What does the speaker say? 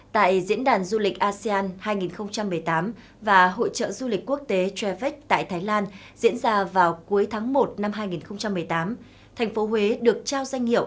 thưa quý vị và các bạn